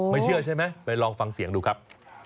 เชื่อใช่ไหมไปลองฟังเสียงดูครับ